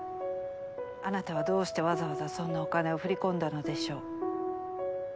あなたはどうしてわざわざそんなお金を振り込んだのでしょう？